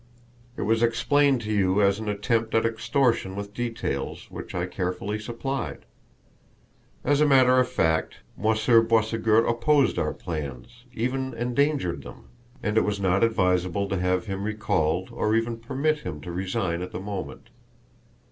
It was explained to you as an attempt at extortion with details which I carefully supplied. As a matter of fact, Monsieur Boisségur opposed our plans, even endangered them; and it was not advisable to have him recalled or even permit him to resign at the moment.